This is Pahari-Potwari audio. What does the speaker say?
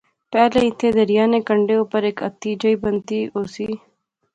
پہلے ایتھیں دریا نے کنڈے اُپر ہیک ہتی جئی بنتی ہوسی